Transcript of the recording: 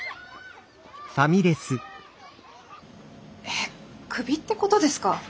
えクビってことですか？